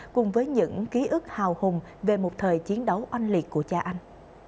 cùng với những ký ức hào hùng về một thời chiến đấu oanh liệt của cha anh